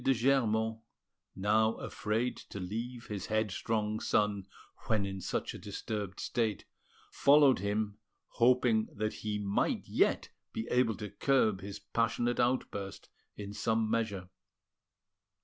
de Germont, now afraid to leave his headstrong son when in such a disturbed state, followed him, hoping that he might yet be able to curb his passionate outburst in some measure.